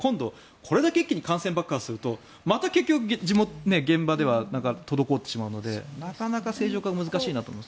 これだけ一気に感染爆発するとまた結局現場では滞ってしまうのでなかなか正常化は難しいなと思います。